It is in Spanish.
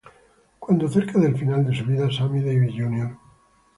Cuando cerca del final de su vida Sammy Davis Jr.